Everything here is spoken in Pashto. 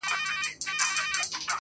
هغه د صحنې له وضعيت څخه حيران ښکاري,